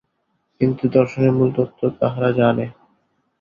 কিন্তু দর্শনের মূলতত্ত্ব তাহারা জানে।